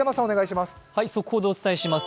速報でお伝えします。